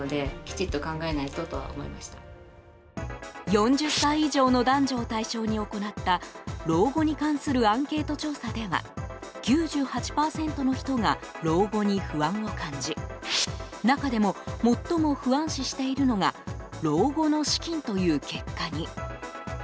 ４０歳以上の男女を対象に行った老後に関するアンケート調査では９８％の人が老後に不安を感じ中でも、最も不安視しているのが老後の資金という結果に。